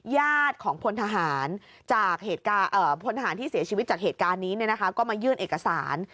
ญาติของพลทหารจากพลทหารที่เสียชีวิตจากเหตุการณ์นี้ก็มายื่นเอกสาร